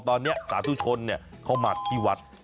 ตอนนี้สาธุชนเข้ามาที่วัด